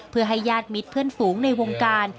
เพื่อให้ญาติมิตรเพื่อนฝูงในวงการ